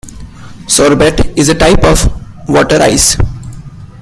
Sorbet is a type of water ice